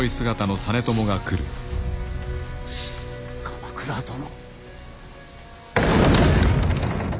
鎌倉殿。